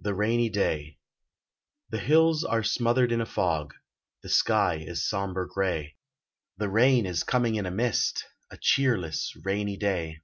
*THE RAINY DAY* The hills are smothered in a fog, The sky is somber grey, The rain is coming in a mist, A cheerless rainy day.